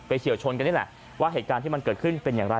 เฉียวชนกันนี่แหละว่าเหตุการณ์ที่มันเกิดขึ้นเป็นอย่างไร